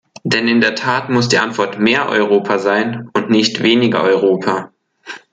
Denn in der Tat muss die Antwort "mehr Europa" sein und nicht "weniger Europa".